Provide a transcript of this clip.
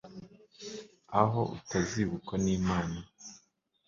aho utazibukwa n'imana